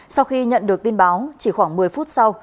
sau khi nhận được tin báo chỉ khoảng một mươi phút sau